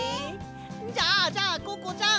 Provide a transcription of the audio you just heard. じゃあじゃあココちゃん！